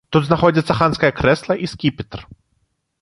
Тут знаходзяцца ханскае крэсла і скіпетр.